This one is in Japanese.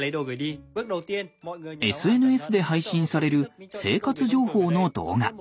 ＳＮＳで配信される生活情報の動画。